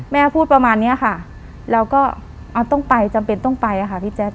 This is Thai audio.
แม่พูดประมาณนี้ค่ะเราก็ต้องไปจำเป็นต้องไปค่ะพี่แจ๊